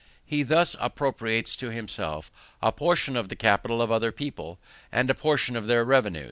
He thus appropriates to himself a portion of the capital of other people, and a portion of their revenue.